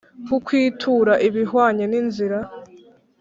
kukwitura ibihwanye n inzira